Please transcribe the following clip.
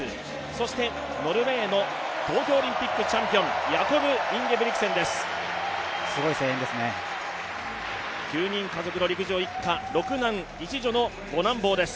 そしてノルウェーの東京オリンピックチャンピオンヤコブ・インゲブリクセンです。